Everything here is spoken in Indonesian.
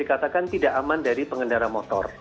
dikatakan tidak aman dari pengendara motor